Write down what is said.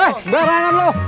eh sembarangan lo